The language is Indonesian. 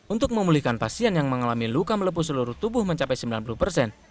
untuk memulihkan pasien yang mengalami luka melepuh seluruh tubuh mencapai sembilan puluh persen